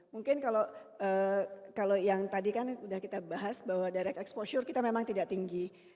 mungkin kalau yang tadi kan sudah kita bahas bahwa direct exposure kita memang tidak tinggi